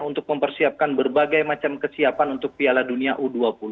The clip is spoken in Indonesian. untuk mempersiapkan berbagai macam kesiapan untuk piala dunia u dua puluh